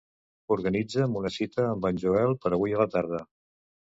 Organitza'm una cita amb en Joel per avui a la tarda.